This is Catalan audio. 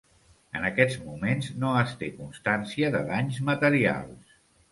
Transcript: En aquests moments no es té constància de danys materials.